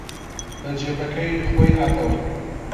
بە جێبەکەی خۆی هاتەوە